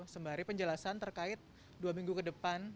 sembari penjelasan terkait dua minggu ke depan